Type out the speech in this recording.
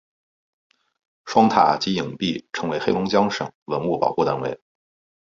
双塔及影壁成为黑龙江省文物保护单位。